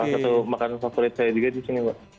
salah satu makanan favorit saya juga di sini mbak